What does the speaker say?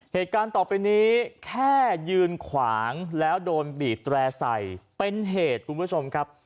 เหตุการณ์ต่อไปนี้แค่ยืนขวางแล้วโดนบีบแตร่ใส่เป็นเหตุคุณผู้ชมครับ